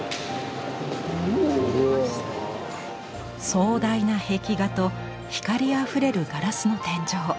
壮大な壁画と光あふれるガラスの天井。